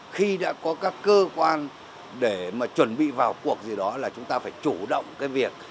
khi đã có các cơ quan để mà chuẩn bị vào cuộc gì đó là chúng ta phải chủ động cái việc